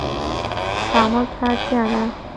تعامل ته اړتیا ده